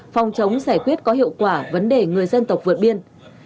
phòng chống giải quyết có hiệu quả vấn đề người dân tộc vượt biên